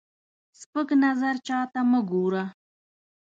سپک نظر چاته مه ګوره